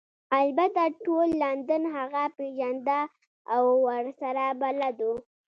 البته ټول لندن هغه پیژنده او ورسره بلد وو